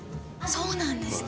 そうなんですか？